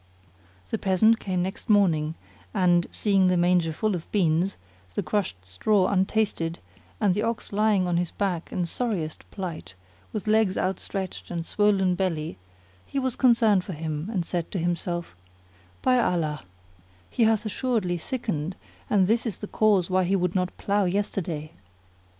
The peasant came next morning; and, seeing the manger full of beans, the crushed straw untasted and the ox lying on his back in sorriest plight, with legs outstretched and swollen belly, he was concerned for him, and said to himself, "By Allah, he hath assuredly sickened and this is the cause why he would not plough yesterday."